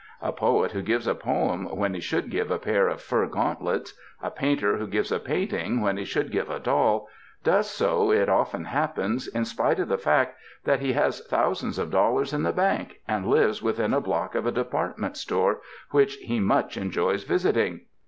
A poet who gives a poem when he should give a pair of fur gauntlets, a painter who gives a painting when he should give a doll, does so, it often happens, in spite of the fact that he has thousands of dollars in the bank and lives within a block of a department store, which he much enjoys visiting.